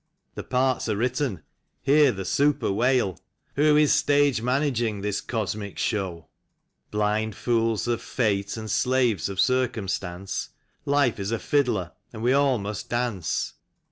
The parts are written: hear the super wail: " Who is stage managing this cosmic show ?" Blind fools of fate, and slaves of circumstance, Life is a fiddler, and we all must dance.